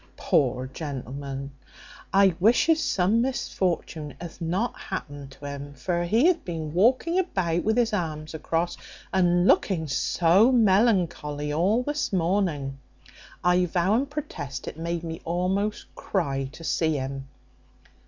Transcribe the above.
Poor gentleman! I wishes some misfortune hath not happened to him; for he hath been walking about with his arms across, and looking so melancholy, all this morning: I vow and protest it made me almost cry to see him."